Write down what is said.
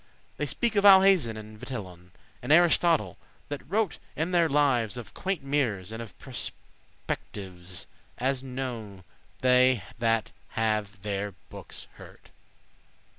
They speak of Alhazen and Vitellon,<16> And Aristotle, that wrote in their lives Of quainte* mirrors, and of prospectives, *curious As knowe they that have their bookes heard.